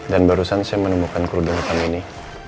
dan barusan saya menemukan kerudung hitam ini